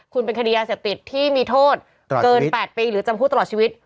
คุณเป็นคดียาเสพติดที่มีโทษเกิน๘ปีหรือจำคุกตลอดชีวิต